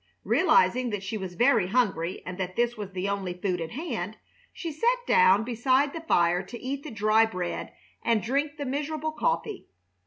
Realizing that she was very hungry and that this was the only food at hand, she sat down beside the fire to eat the dry bread and drink the miserable coffee.